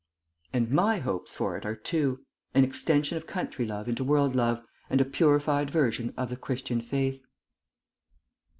"And my hopes for it are two an extension of country love into world love, and a purified version of the Christian faith."